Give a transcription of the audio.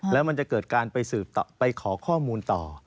แล้วมันจะเกิดการไปสืบไปขอข้อมูลต่อ